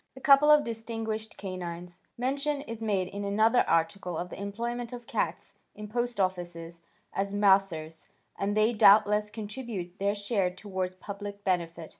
A Couple of Distinguished Canines Mention is made in another article of the employment of cats in post offices as "mousers," and they doubtless contribute their share towards public benefit.